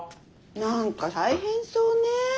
何か大変そうね。